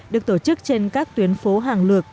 được tổ chức trên các tuyến phố hàng lược